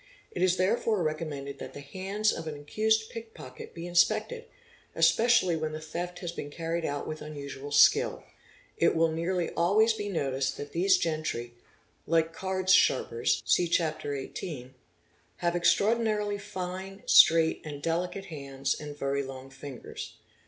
It is therefore recommended that the hands © of an accused pickpocket be inspected—especially when the theft has been carried out with unusual skill; it will nearly always be noticed that these gentry—like cards sharpers (see Chap. X VITI.)—have extraordinarily fine, straight, and delicate hands and very long fingers.